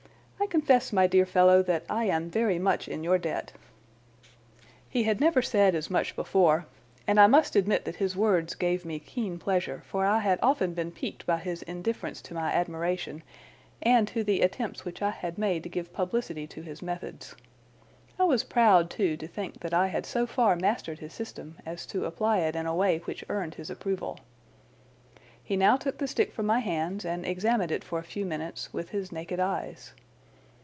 I confess, my dear fellow, that I am very much in your debt." He had never said as much before, and I must admit that his words gave me keen pleasure, for I had often been piqued by his indifference to my admiration and to the attempts which I had made to give publicity to his methods. I was proud, too, to think that I had so far mastered his system as to apply it in a way which earned his approval. He now took the stick from my hands and examined it for a few minutes with his naked eyes.